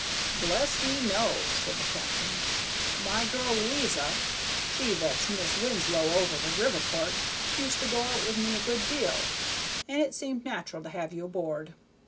"Bless ye! no," said the captain. "My girl Lo'isa, she that's Mis Winslow over to Riverport, used to go out with me a good deal, and it seemed natural to have you aboard.